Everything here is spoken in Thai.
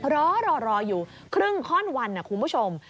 รอรออยู่ครึ่งข้อนวันนะคุณผู้ชม